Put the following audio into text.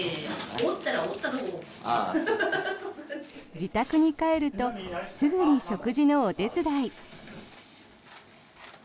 自宅に帰るとすぐに食事のお手伝い。